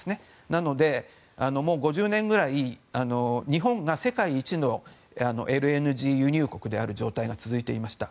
なので、もう５０年ぐらい日本が世界一のＬＮＧ輸入国である状態が続いていました。